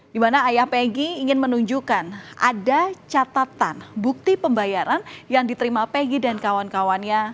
di mana ayah peggy ingin menunjukkan ada catatan bukti pembayaran yang diterima pegi dan kawan kawannya